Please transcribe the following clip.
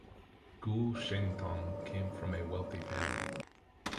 Guo Shengtong came from a wealthy family.